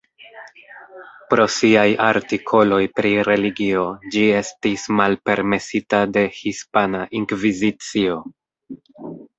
Pro siaj artikoloj pri religio ĝi estis malpermesita de Hispana Inkvizicio.